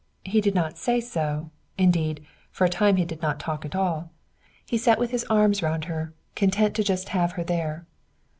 He did not say so; indeed, for a time he did not talk at all. He sat with his arms round her, content just to have her there.